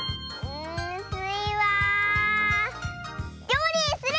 んスイはりょうりにする！